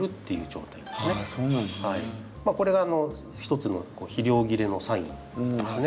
これが一つの肥料切れのサインですね。